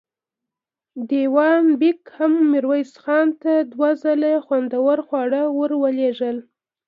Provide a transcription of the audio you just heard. دېوان بېګ هم ميرويس خان ته دوه ځله خوندور خواړه ور لېږل.